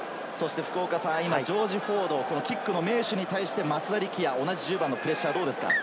ジョージ・フォード、キックの名手に対して松田力也を同じ１０番のプレッシャーはどうですか？